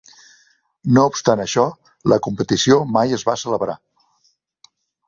No obstant això, la competició mai es va celebrar.